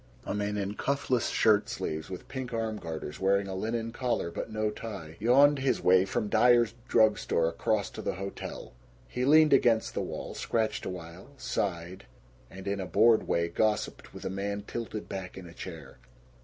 A man in cuffless shirt sleeves with pink arm garters, wearing a linen collar but no tie, yawned his way from Dyer's Drug Store across to the hotel. He leaned against the wall, scratched a while, sighed, and in a bored way gossiped with a man tilted back in a chair.